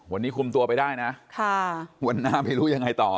วันนี้คุมตัวไปได้นะวันหน้าไม่รู้ยังไงต่อ